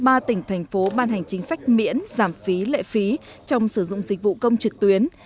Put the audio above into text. thủ tướng chính phủ đã ban hành chính sách miễn giảm phí lệ phí trong sử dụng dịch vụ công trực tuyến